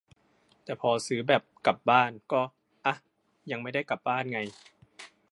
แต่พอซื้อแบบ กลับบ้าน ก็ อ๊ะ ยังไม่ได้กลับบ้านไง